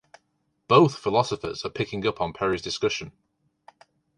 Both philosophers are picking up on Perry's discussion.